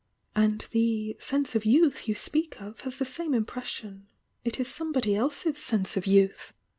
And the 'sense of youth you speak of has the same impression— it is some body else's sense of youth!"